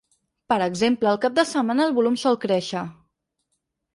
Per exemple, el cap de setmana el volum sol créixer.